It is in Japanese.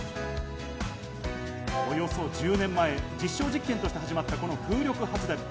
およそ１０年前、実証実験として始まったこの風力発電。